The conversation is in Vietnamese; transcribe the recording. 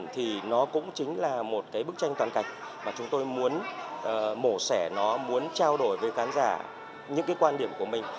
thì nó cũng chính là một cái bức tranh toàn cảnh mà chúng tôi muốn mổ sẻ nó muốn trao đổi với khán giả những cái quan điểm của mình